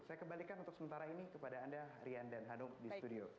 saya kembalikan untuk sementara ini kepada anda rian dan hanum di studio